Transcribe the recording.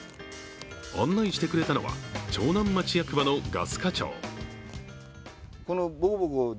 案内してくれたのは長南町役場のガス課長。